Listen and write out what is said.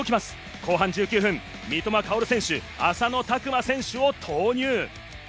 後半１９分、三笘薫選手、浅野拓磨選手を投入。